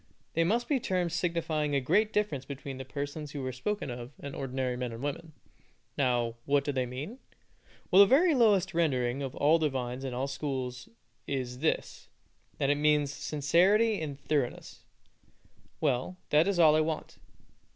They must be terms signifying a great difference between the persons who are spoken of and ordinary men and women. Now, what do they mean? Well, the very lowest rendering of all divines and all schools is this, that it means sincerity and thoroughness. Well, that is all I want.